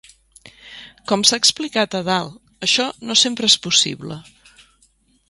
Com s'ha explicat a dalt, això no sempre és possible.